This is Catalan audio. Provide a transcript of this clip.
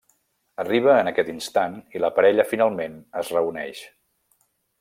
Arriba en aquest instant i la parella finalment es reuneix.